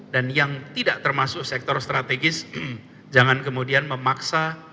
dan yang tidak termasuk sektor strategis jangan kemudian memaksa